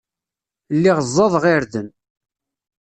Lliɣ ẓẓadeɣ irden.